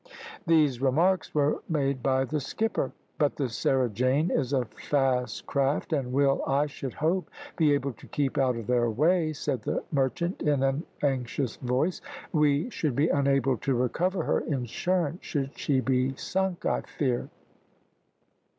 These remarks were made by the skipper. "But the Sarah Jane is a fast craft, and will, I should hope, be able to keep out of their way," said the merchant, in an anxious voice. "We should be unable to recover her insurance should she be sunk, I fear."